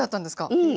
うん。